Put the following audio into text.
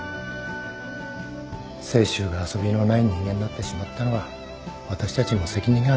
清舟が遊びのない人間になってしまったのは私たちにも責任がある。